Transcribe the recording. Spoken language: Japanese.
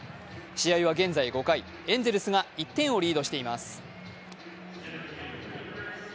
試合は現在５回、エンゼルスが１点をリードしています。